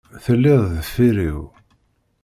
Telliḍ deffir-iw.